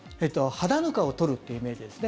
肌ぬかを取るというイメージですね。